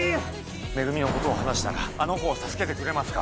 「め組」のことを話したらあの子を助けてくれますか？